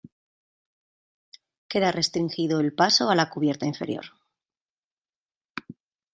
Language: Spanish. queda restringido el paso a la cubierta inferior.